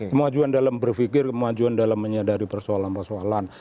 kemajuan dalam berpikir kemajuan dalam menyadari persoalan persoalan